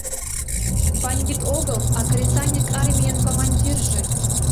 — Бандит огыл, а кресаньык армийын командирже...